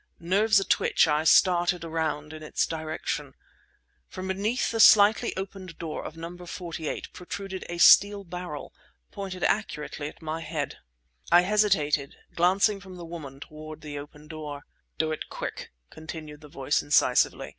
Nerves atwitch, I started around in its direction. From behind the slightly opened door of No. 48 protruded a steel barrel, pointed accurately at my head! I hesitated, glancing from the woman toward the open door. "Do it quick!" continued the voice incisively.